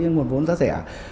nguồn vốn giá rẻ